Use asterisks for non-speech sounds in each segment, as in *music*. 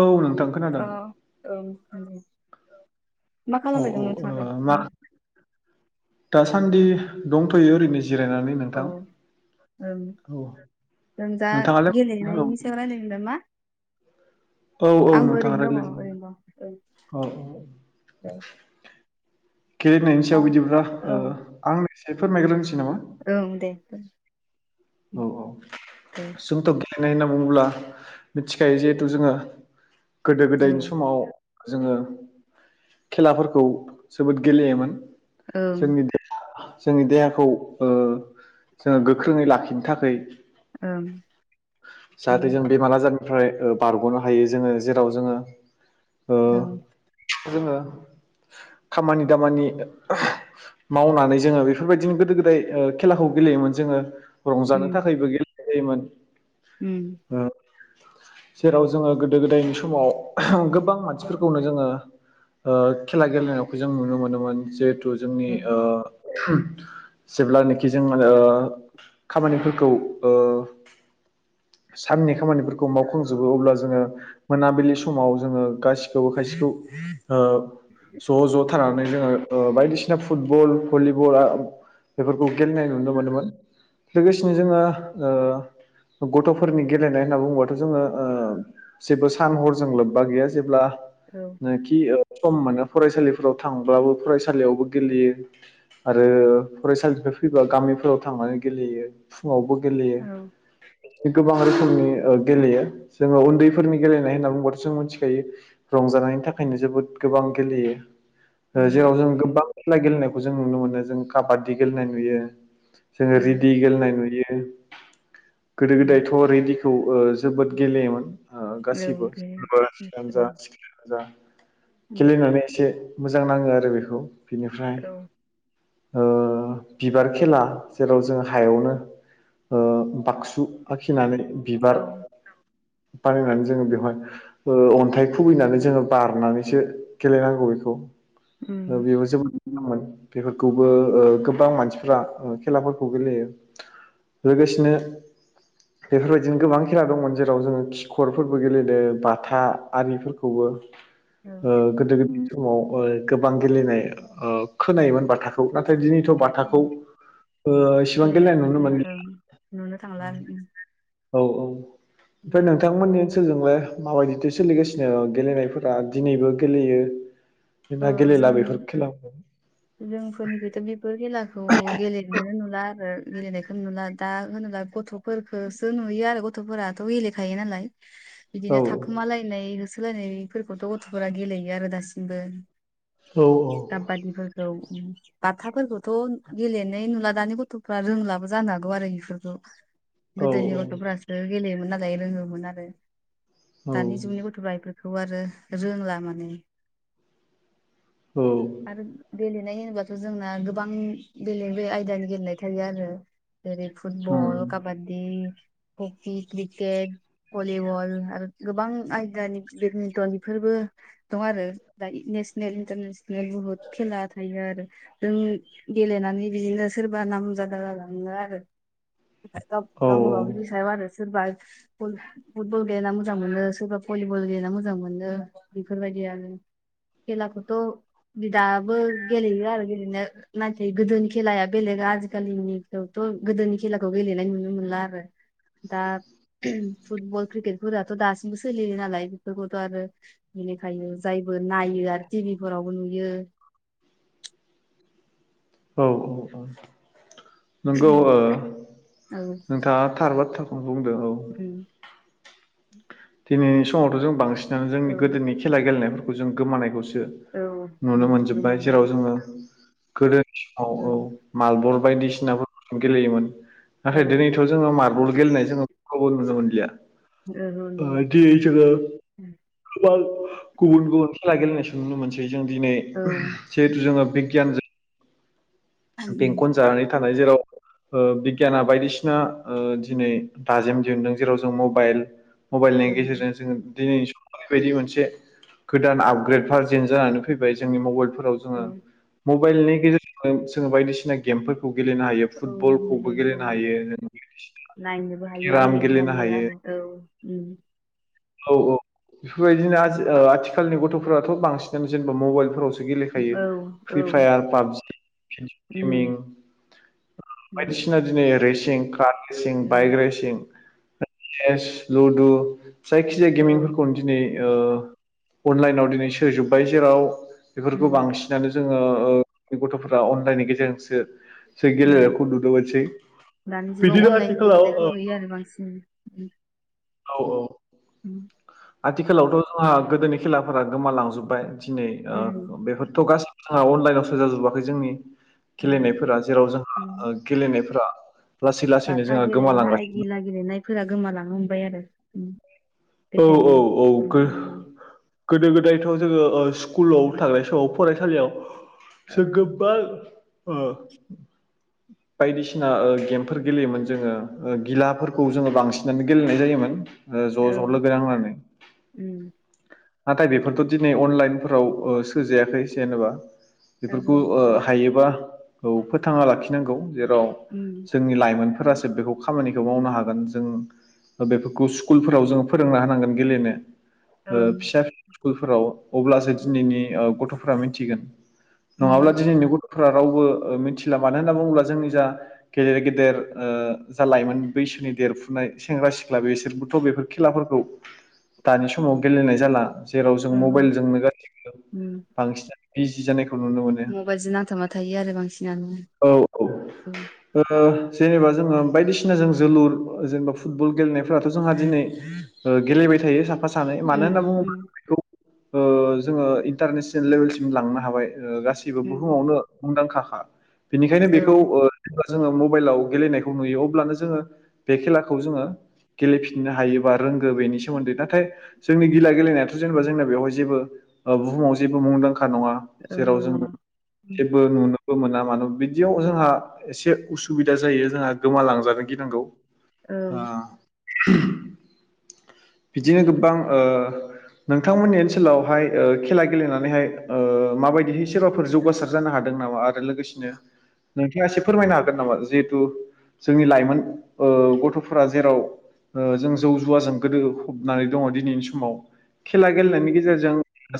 औ नोंथां अ खोनादों औ मा औ खालामबाय दं नोंथाङालाय ओ मा आरो दासान्दि दंथ'योै ओरैनो जिरायनानै औ नोंथां ओं औ जों दा नोंथाङालाय गेलेनायनि सायाव औ रायलायनो नामा औ औ आंबो नोंथाङा ओरैनो दङ रायलाय ओरैनो दं औ औ ओं औ गेलेनायनि दा सायाव बिदिब्ला ओ आं एसे फोरमायग्रोनोसै नामा औ दे औ औ औ जोंथ' मानो होनना बुङोब्ला मिथिखायो जिहेथु जोङो गोदो गोदायनि समाव जोङो खेलाफोरखौ जोबोद गेलेयोमोन ओं जोंनि देहाखौ जोंनि देहाखौ जोङो गोख्रोङै लाखिनो थाखै ओं नंगौ जाहाथे जों बेमार आजारनिफ्राय ओ बारग'नो हायो जोङो जेराव जोङो ओ औ जोङो खामानि दामानि मावनानै जोङो बेफोरबायदिनो गोदो गोदाय खेलाखौ गेलेयोमोन जोङो रंजानो उम थाखायबो गेलेयोमोन उम अ जेराव जोङो गोदो गोदायनि समाव गोबां मानसिफोरखौनो जोङो ओ खेला गेलेनायखौ जों नुनो मोनोमोन जेथु खौ जोंनि औ जेब्लानाखि जों ओ खामानिफोरखौ ओ साननि खामानिफोरखौ मावखांजोबो अब्ला जोङो मोनाबिलि समाव जोङो गासिखौबो खायसेखौ ओ ज' ज' थानानै जोङो बायदिसिना फुट बल, भलि बल बेफोरखौ गेलेनाय नुनो मोनोमोन लोगोसेनो जोङो गथ'फोरनि गेलेनाय होनना बुङोबाथ' जोङो ओ जेबो सान हरजों लोब्बा गैया जेब्ला औ जेनाखि सम मोनो फरायसालिफोराव थांब्लाबो फरायसालियावबो गेलेयो आरो फरायसालिफ्राय फैबा गामिफोराव थांनानै गेलेयो फुङावबो गेलेयो औ गोबां रोखोमनि ओ गेलेयो जोङो उन्दैफोरनि गेलेनाय होनना बुंबाथ' जों मिथिखायो रंजानायनि थाखायनो जोबोद गोबां गेलेयो उम जेराव जों गोबां खेला गेलेनायखौ जों नुनो मोनो जों काबादि गेलेनाय नुयो जोङो उम रेडि गेलेनाय नुयो गोदो उम गोदायथ' रेडिखौ ओ जोबोद गेलेयोमोन ओ औ गासिबो दे सैंग्रायानो जा औ सिख्लायानो जा उम गेलेनानै एसे मोजां नाङो आरो बेखौ बिनिफ्राय औ ओ बिबार खेला जेराव जों हायावनो ओ बाक्सु आखिनानै बिबार औ बानायनानै जोङो बेवहाय ओ अन्थाइ खुबैनानै जोङो बारनानैसो गेलेनांगौ बेखौ ओ उम बेबो गेलेदोंमोन बेफोरखौबो ओ गोबां मानसिफोरा खेलाफोरखौ गेलेयो लोगोसेनो बेफोरबायदिनो गोबां खेला दंमोन जेराव जोङो खिखरफोरबो गेलेदों बाथा आरिफोरखौबो औ ओ गोदो गोदायनि समाव ओ गोबां गेलेनाय ओ खोनायोमोन बाथा खौ नाथाय दिनैथ' बाथाखौ उम ओ एसेबां गेलेनाय गेलेनो नुनो थांला ओं मोनलिया नुनो थांला औ -औ ओमफ्राय नोंथांमोननि ओनसोलजोंलाय माबायदिथो सोलिगासिनो गेलेनायफोरा दिनैबो गेलेयो ओ जोंना गेलेला जोंनि बेफोर खेलाखौ जोंफोरनिखैथ' बेफोर खेलाखौ गेलेनोनो नुला आरो गेलेनायखौ नुला दा होनोबा गथ' फोरखोसो नुयो आरो गथ'फोराथ' गेलेखायो नालाय *inaudible* बिदिनो थाखोमालायनाय होसोलायनायफोरखौथ' गथ'फोरा गेलेयो आरो दासिमबो औ -औ काबादिफोरखौ बाथाफोरखौथ' गेलेनाय नुला दानि गथ'फ्रा रोंलाबो जानो हागौ आरो बेफोरखौ औ गोदोनि गथ'फोरासो गेलेयोमोन नालाय रोङोमोन आरो औ दानि जुगनि गथ'फ्रा बेफोरखौ बेखौ आरो रोंला माने औ आरो गेलेनाय होनोबाथ' जोंना गोबां बेलेग -बेेलेग आयदानि गेलेनाय थायो आरो जेरै फुटबल उम काबादडि हकि क्रिकेट भलिबल आरो गोबां आयदानि बेदमिन्टन बेफोरबो दं आरो दायो नेसनेल इन्टारनेसनेल बुहुत खेला थायो आरो जों गेलेनानै बिदिनो सोरबा नाम जादा जालाङो आरो औ गावबा गावनि सायाव आरो सोरबा फुटबल गेलेना मोजां मोनो सोरबा भलिबल गेलेना मोजां मोनो बेफोरबायदि आरो खेलाखौथ' दाबो गेलेयो आरो गेलेनो नाथाय गोदोनि खेलाया बेलेग आजिखालिनिखौथ' गोदोनि खेलाखौ गेलेनाय नुनो मोनला आरो दा फुटबल क्रिकेटफोराथ' दासिमबो सोलियो नालाय बेफोरखौथ' आरो बेनिखायनो जायबो नायो आरो टिभि फोरावबो नुयो औ -औ- औ नंगौ औ नोंथाङा थार बाथ्रा बुंदों औ उम दिनैनि समावथ' जों बांसिनानो औ जोंनि गोदोनि खेला गेलेनायफोरखौ जों गोमानायखौसो औ नुनो मोनजोबबाय जेराव गोमोनबो जोङो गोदोनि समाव औ मालबर बायदिसिनाफोरखौ गेलेयोमोन औ नाथाय दिनैथ' जोङो मारबल गेलेनाय जों खौबो नुनो मोनलिया ओहो *unintelligible* *unintelligible* नुला औ गुबुन गुबुन खेला गेलेनायसो नुनो मोनसै जों दिनै औ जिहेथु जों बिगियानजो बेंखन जानानै थानाय जेराव ओ बिगियाना बायदिसिना दिनै दाजेम दिहुनदों जेराव जों मबाइल मबाइलनि गेजेरजों जोङो दिनै बेबायदि मोनसे गोदान आपग्रेड भारजेन जानानै फैबाय जोंनि मबाइलफोराव जोङो मबाइलनि गेजेरजोंनो जोङो बायदिसिना गेमफोर खौ गेलेनो हायो औ फुटबलखौबो गेलेनोबो गेलेनो हायो नायनोबो हायो गेलेनो हायो आरो औ उम औ औ बेफोरबायदिनो आजि ओ आथिखालनि गथ'फोराथ' बांसिनानो जेनेबा मबाइलफोराव गेलेखायो औ औ फ्रि फायार पाबजि भिडअ उम गेमिं नंगौ बायदिसिना रेसिं कार रेसिं बाइक उम रेसिं चेस लुदु जायखिजाया औ गेमिंफोरखौनो दिनै ओ अनलाइनाव दिनै सोजोब्बाय जेराव उम बेफोरखौ बांसिनानो जोङो ओ गथ'फोरा अनलाइननि गेजेरजोंसो जों उम गेलेनायखौ नुनो मोनसै दानि जुगाव बिदिनो अनलाइन आथिखालाव गेलेनायखौ नुयो आरो बांसिन उम औ औ उम आथिखालावथ' जोंहा गोदोनि खेलाफोरा गोमालांजोबबाय दिनै ओ उम बेफोरथ' गासैबो आंहा अनलाइनाव सोजाजोबाखै जोंनि औ गेलेनायफोरा जेराव उम जोंहा गेलेनायफोरा लासै लासैनो बाथा जोंहा गोमालांगासिनो गेलेनाय गिला गेलेनायफोरा गोमालांनो हमबाय आरो औ औ गोदोनि औ माबाफोरा उम गोदो गोदायथ' जोंङो स्कुलाव औ थांनाय समाव फरायसालियाव औ *unintelligible* बायदिसिना गेमफोर गेलेयोमोन जोङो गिलाफोरखौ जोङो बांसिनानो गेलेनाय जायोमोन। ओ ज' ज' लोगो नांनानै औ नाथाय बेफोरथ' दिनै अनलाइनफोराव ओ सोजायाखै जेनेबा ओहो बेफोरखौ ओ हायोबा औ फोथांना लाखिनांगौ जेराव उम जोंनि लाइमोनफोरासो बेखौ खामानिखौ मावनो हागोन जों बेफोरखौ स्कुलफोराव जों फोरोंना होनांगोन गेलेनो ओ ओं फिसा स्कुलफोराव अब्लासो दिनैनि ओ गथ'फोरा मिथिगोन। नङाब्ला उम दिनैनि गथ'फोरा रावबो मिथिला मानो होनना बुङोब्ला जोंनि जा। गेदेर गेदेर ओ जा लाइमोन बैसोनि देरफुनाय सेंग्रा सिख्ला बेसोरबोथ' बेफोर खेलाफोरखौ दानि समाव गेलेनाय जाला जेराव जों ओहो मबाइल जोंनो *unintelligible* बांसिन बिजि जानायखौ नुनो मोनो मबाइलजो नांथाबना थायो आरो बांसिनानो औ औ जेनेबा जोङो बायदिसिना जों जोलुर जेनेबा फुटबल गेलेनायफ्राथ' जोंहा दिनै। ओ गेलेबाय थायो साफा सानै मानो उम होनना बुङोब्ला उम बेखौ जोंङो इन्टारनेसनेल लेबेलसिम लांनो हाबाय। गासिबो उम बुहुमावनो मुंदांखाखा बेनिखायनो औ बेखौ ओ। जेब्ला जोङो मबाइलाव गेलेनायखौ नुयो अब्लानो जोङो बे खेलाखौ जोंङो। गेलेफिननो हायोबा रोंगौ बेनि सोमोन्दै नाथाय। जोंनि गिला गेलेनायाथ' जेनेबा जोंना बेवहाय जेबो बुहुमाव जेबो मुंदांखा नंङा। जेराव ओहो जों नङा उम जेबो नुनोबो मोना मानो बिदियाव जोंहा एसे उसुबिदा जायो जोंहा गोमालांजानो गिनांगौ ओं बिदिनो गोबां ओ नोंथांमोननि ओनसोलावहाय खेला गेलेनानैहाय ओ माबायदिहै सोरबाफोर जौगासार जानो हादों नामा आरो लोगोसेनो नोंथाङा एसे फोरमायनो हागोन नामा जिहेथु। जोंनि लाइमोन ओ गथ'फोरा जेराव ओ जों जौ जुवाजों गोदो फबनानै दंङ दिनैनि समाव खेला औ गेलेनायनि गेजेरजों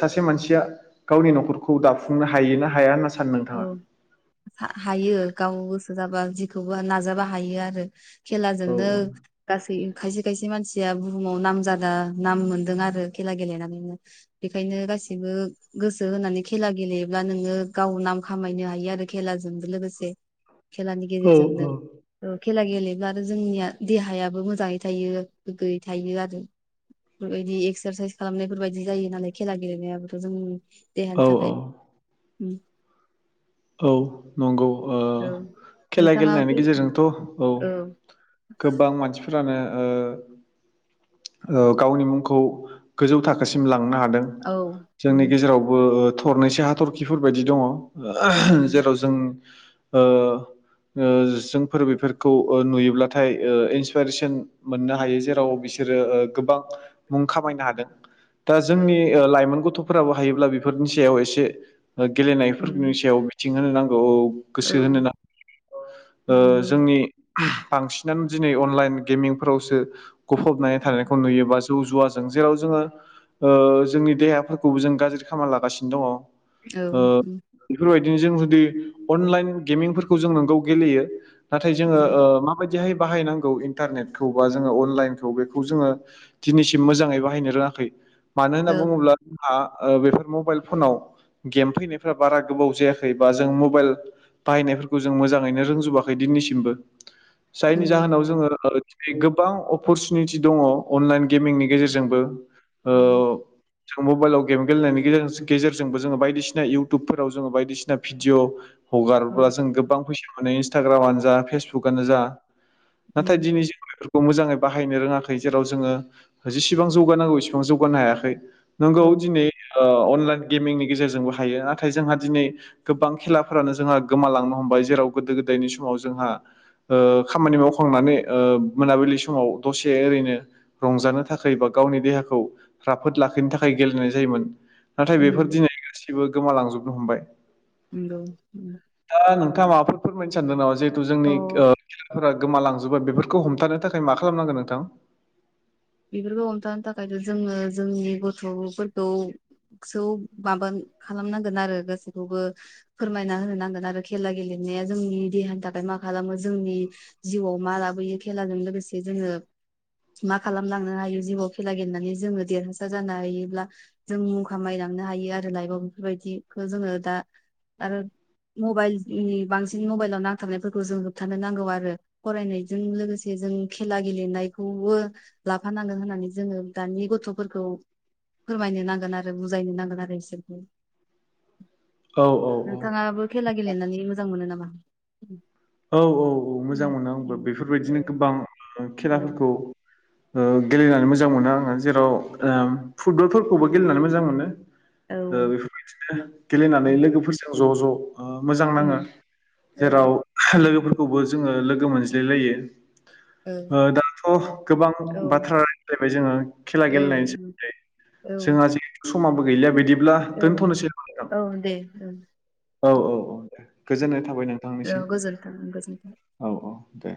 सासे मानसिया गावनि न'खरखौ दाफुंनो हायो ना हाया होनना सानो नोंथाङा? औ हायो गाव गोसो जाबा जेखौबो नाजाबा हायो आरो औ खेलाजोंनो गासै खायसे खायसे मानसिया बुहुमाव नाम जादा नाम मोनदों आरो खेला गेलेनानैनो बेखायनो गासिबो गोसो होनानै खेला गेलेयोब्ला नोंङो-' गाव नाम खामायनो हायो आरो खेलाजों लोगोसे खेलानि गेजेरजोंनो औ औ खेला गेलेब्ला आरो जोंनिया देहायाबो मोजांङै थायो गोग्गोयै थायो आरो। बेफोरबायदि एक्सारसाइस खालामनायफोरबायाददि जायो नालाय खेला गेलेनायाबोथ' जोंनि देहानि औ औ थाखाय। उम औ नंगौ ओ औ खेला नोंथाङा गेलेनायनि गेजेरजोंथ' औ गोबां मानसिफोरानो ओ ओ गावनि मुंखौ गोजौ थाखोसिम लांनो हादों। औ जोंनि उम गेजेरावबो थरनैस हाथरखिफोर बायदि दंङ। औ जेराव जों ओ। ओ जोंफोर बेफोरखौ नुयोब्लाथाय इन्सपरेसन मोननो हायो जेराव बिसोरो गोबां मुं खामायनो हादों दा जोंनि औ लाइमोन गथ'फोराबो हायोब्ला बेफोरनि सायाव एसे गेलेनायफोरनि उम, सायाव मिथिं होनो नांगौ औ गोसो होनो नांगौ ओ नंगौ जोंनि बांसिनानो दिनै अनलाइन गेमिंफोरावसो गफबनानै औ थानायखौ नुयोबा जौ जुवाजों जेराव जोंङो ओ जोंनि देहाफोरखौबो जों गाज्रि खालामामना लागासिनो दंङ औ बेफोरबायदिनो जों जुदि अनलाइन गेमिंफोरखौ जों नोंगौ गेलेयो नाथाय जोंङो औ नंगौ ओ माबायदिहाय बाहायनांगौ इन्टारनेटखौ बा जोङो अनलाइनखौ बेखौ जोंङो दिनैसिम मोजांङै बाहायनो रोंङाखै मानो होनना औ बुंङोब्ला जोंहा बेफोर मबाइल फनाव गेम फैनाय बारा गोबाव जायाखैबा जों मबाइल बाहायनायफोरखौ जों मोजांङैनो रोंजोबाखै दिनैसिमबो औ जायनि जाहोनाव जोंङो दिनै गोबां अपरसुनिटि दंङ अनलाइन गेमिंनि गेजेरजोंबो ओ उम, जों मबाइलाव गेम गेलेनायनि गेजेरजोंबो जोंङो बायदिसिना इउ इुबाव जों बायदिसिना भिडिअ औ हगारोबब्ला जों गोबां फैसा मोनो इट्रानो ओ भेसबुगानो जा नाथाय जों दिनै बिफोरखौ खौ मोजांङै बाहायनो रोंङाखै जेराव जोङो जेसेबां जौगानांगौ बेसेबां जौगानो हायाखै नोंगौ दिनै अनलाइन गेमिंनि गेजेरजोंबो हायो आरो नाथाय जोंहा दिनै गोबां खेलाफोरानो जोंहा गोमालांनो हमबाय जेराव गोदो गोदायनि समाव जोंहा ओ खामानि मावखांनानै ओ मोनाबिलि समाव दसे ओरैनो रंजानो थाखाय बा गावनि देहाखौ राफोद लाखिनो थाखाय गेलेनाय जायोमोन। नाथाय बेफोर उम, दिनै गासिबो गोमालांजोबनो हमबा नंगौ दा नोंथांङा माबाफोर फोरमायनो सानदों नामा जिहेथु जोंनि थ' खेलाफोरा गोम लांजोबोन बेफोरखौ हमथानो थाखाय मा खालामनांगोन नोंथां बेफोरखौ हमथानो थाखायथ' जोंङो जोंनि गथ'फोरखौ सो माबा खालामनांगोन आरो गासैखौबो फोरमायना होनो नांगोन आरो खेला गेलेनाया जोंनि देहानि थाखाय मा खालामो जोंनि जिउआव मा लाबोयो खेलाजों लोगोसे जोंङो खालामलांनो हायो जिउआव खेला गेलेनानै जोङो देरहासार जानो हायोब्ला जों मुं खामायलांनो हायो आरो लाइफआव बेफोरबायदिखौ जोङो दा आरो मबाइलनि बांसिन मबाइलाव नांथारनायफोरखौ जों होबथानो नांगौ आरो फरायनायजों लोगोसे जों खेला गेलेनायखौबो लाफानांगोन होननानै जोङो दानि गथ'फोरखौ फोरमायनो नांगोन आरो बुजायनो नांगोन आरो बिसोरखौ औ औ औ। नोंथाङाबो खेला गेलेनानै मोजां मोनो नामा? औ औ औ मोजां मोनो आंबो बेफोरबायदिनो गोबां औ खेलाफोरखौ गेलेनानै मोजां मोनो आङो जेराव फुटबलफोरखौबो गेलेनानै मोजां मोनो। औ बेफोरबायदिनो गेलेनानै लोगोफोरजों ज' ज' मोजां नाङो औ जेराव लोगोफोरखौबो जोङो लोगो मोनज्लाय लायो दाथ' गोबां बाथ्राेलायबाय जोङो खेला औ गेलेनायनि सोमोन्दै औ औ जोंहा जिहेथु समाबो गैलिया बिदिब्ला औ दोनथ'नोसै ना औ दे। औ औ औ दे गोजोननाय थाबाय नोंथां। औ गोजोन्थों गोजोन्थों। औ औ दे।